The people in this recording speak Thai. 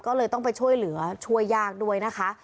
ก็เลยต้องไปช่วยเหลือช่วยยากด้วยนะคะ